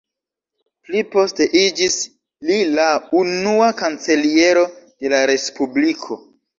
Pli poste iĝis li la unua kanceliero de la respubliko.